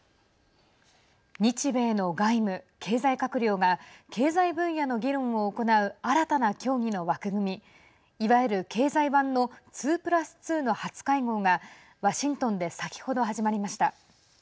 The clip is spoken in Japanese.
日米の外務、経済閣僚が経済分野の議論を行う新たな協議の枠組みいわゆる経済版の２プラス２の初会合がワシントンで先ほど始まりました。